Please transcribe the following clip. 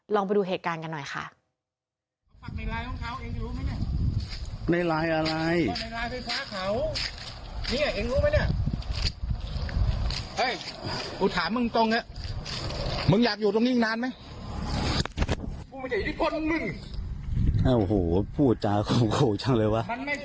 ลองไปดูเหตุการณ์กันหน่อยค่ะ